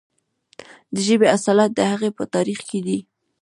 د ژبې اصالت د هغې په تاریخ کې دی.